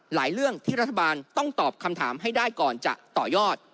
เรื่องที่รัฐบาลต้องตอบคำถามให้ได้ก่อนจะต่อยอด